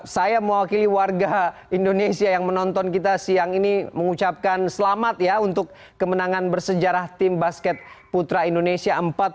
saya mewakili warga indonesia yang menonton kita siang ini mengucapkan selamat ya untuk kemenangan bersejarah tim basket putra indonesia empat